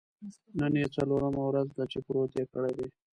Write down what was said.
نن یې څلورمه ورځ ده چې پروت یې کړی دی.